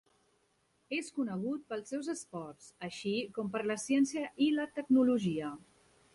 És conegut pels seus esports, així com per la ciència i la tecnologia.